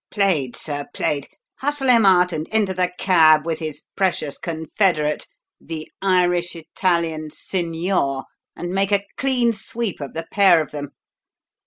Played, sir, played! Hustle him out and into the cab, with his precious confederate, the Irish Italian 'signor,' and make a clean sweep of the pair of them.